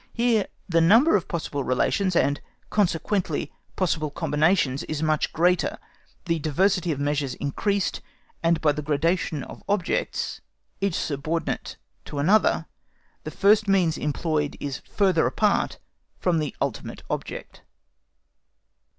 Here the number of possible relations, and consequently possible combinations, is much greater, the diversity of measures increased, and by the gradation of objects, each subordinate to another the first means employed is further apart from the ultimate object.